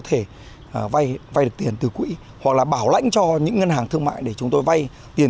thể vay được tiền từ quỹ hoặc là bảo lãnh cho những ngân hàng thương mại để chúng tôi vay tiền